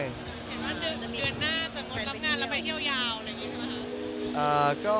เห็นว่าเดือนหน้าจะงดรับงานแล้วไปเที่ยวยาวอะไรอย่างนี้ใช่ไหมคะ